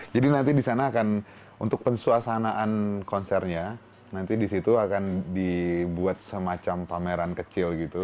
jadi nanti disana akan untuk pensuasanaan konsernya nanti disitu akan dibuat semacam pameran kecil gitu